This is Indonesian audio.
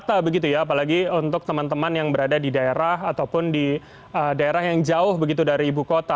jadi ini adalah hal yang sangat rata begitu ya apalagi untuk teman teman yang berada di daerah ataupun di daerah yang jauh begitu dari ibu kota